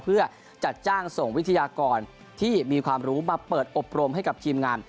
เพื่อจัดจ้างส่งวิทยากรที่มีความรู้มาเปิดอบรมให้กับทีมงาน